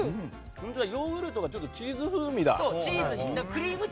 本当だ、ヨーグルトがチーズ風味だ。